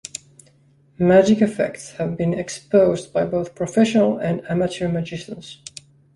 Magic effects have been exposed by both professional and amateur magicians.